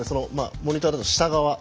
モニターで言うと下側。